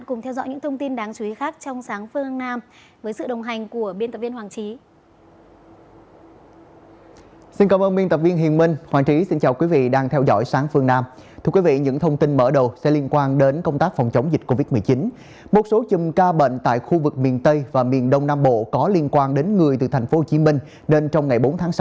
cùng theo dõi những thông tin đáng chú ý khác trong sáng phương nam với sự đồng hành của biên tập viên hoàng trí